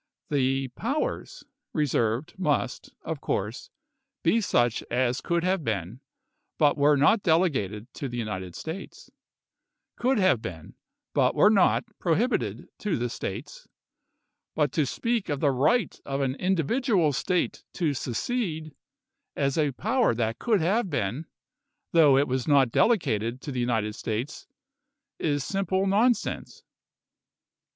The ^ powers^ reserved must, of course, be such as could have been, but were not delegated to the United States — could have been, but were not prohibited to the States ; but to speak of the right of an individual State to secede, as a power that could have been, though it was not delegated to the United States, is simple nonsense.